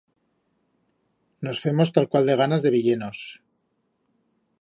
Nos femos talcual de ganas de veyer-nos.